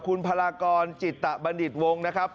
คุณพรากรจิตบรรดิษฐ์วงศ์นะครับ